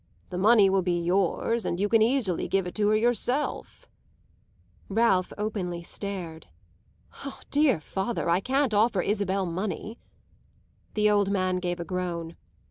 The money will be yours, and you can easily give it to her yourself." Ralph openly stared. "Ah, dear father, I can't offer Isabel money!" The old man gave a groan.